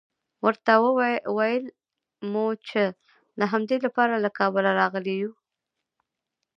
ورته ویل مو چې د همدې لپاره له کابله راغلي یوو.